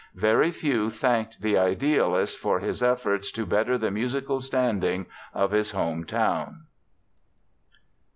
Very few thanked the idealist for his efforts to better the musical standing of his home town.